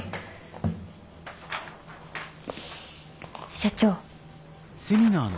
社長。